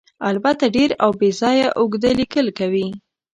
البته ډېر او بې ځایه اوږده لیکل کوي.